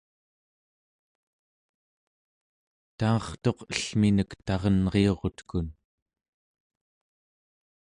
tangertuq ellminek tarenriurutkun